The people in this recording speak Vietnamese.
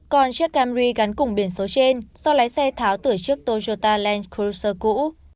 còn chiếc camry gắn cùng biển số trên do lái xe tháo từ chiếc toyota land crosser cũ